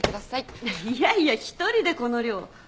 いやいや一人でこの量。